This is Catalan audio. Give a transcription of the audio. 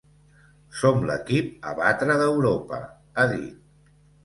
Som l’equip a batre d’Europa, ha dit.